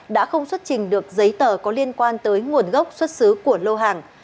đã không xuất trình được giấy tờ có liên quan tới nguồn gốc xuất xứ của lô hàng